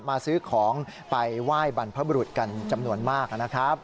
มาซื้อของไปไหว้บรรพบรุษกันจำนวนมากนะครับ